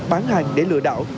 bán hàng để lừa đảo